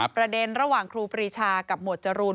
ประเด็นระหว่างครูปรีชากับหมวดจรูน